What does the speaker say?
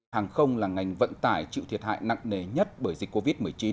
hàng không là ngành vận tải chịu thiệt hại nặng nề nhất bởi dịch covid một mươi chín